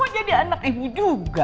kan kamu jadi anak ibu juga